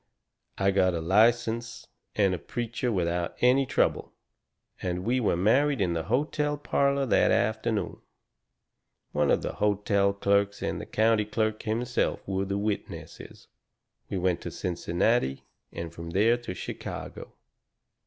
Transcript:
I got a license and a preacher without any trouble, and we were married in the hotel parlour that afternoon. One of the hotel clerks and the county clerk himself were the witnesses. "We went to Cincinnati and from there to Chicago.